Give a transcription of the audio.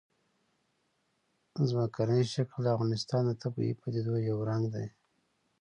ځمکنی شکل د افغانستان د طبیعي پدیدو یو رنګ دی.